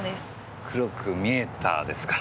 黒く見えたですか。